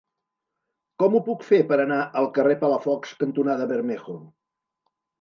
Com ho puc fer per anar al carrer Palafox cantonada Bermejo?